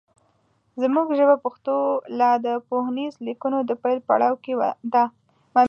زمونږ ژبه پښتو لا د پوهنیزو لیکنو د پیل په پړاو کې ده